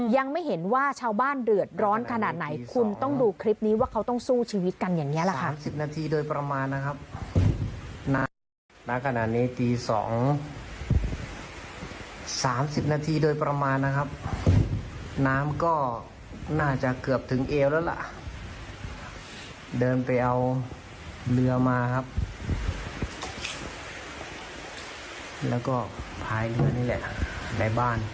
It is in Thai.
ยังไม่เห็นว่าชาวบ้านเดือดร้อนขนาดไหนคุณต้องดูคลิปนี้ว่าเขาต้องสู้ชีวิตกันอย่างนี้แหละค่ะ